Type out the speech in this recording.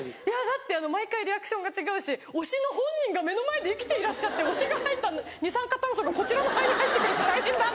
だって毎回リアクションが違うし推しの本人が目の前で生きていらっしゃって推しが吐いた二酸化炭素がこちらの肺に入って来るって大変だ！